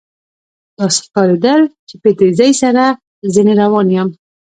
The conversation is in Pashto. داسې ښکارېدل چې په تېزۍ سره ځنې روان یم.